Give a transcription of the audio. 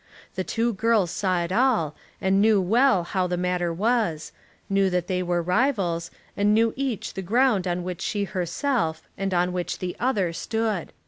The two girls saw it all and knew well how the matter was, knew that they were rivals, and knew each the ground on which she herself and on which the other stood.